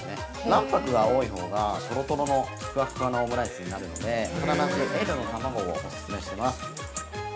卵白が多いほうがとろとろのふわふわのオムライスになるので、必ずＬの卵をオススメしてます。